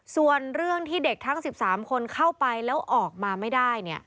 ส่วนเรื่องที่เด็กทั้ง๑๓คนเข้าไปแล้วออกมาไม่ได้